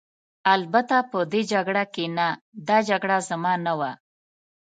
البته په دې جګړه کې نه، دا جګړه زما نه وه.